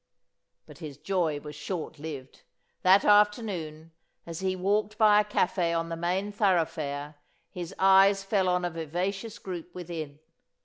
But his joy was short lived. That afternoon, as he walked by a café on the main thoroughfare his eyes fell on a vivacious group within.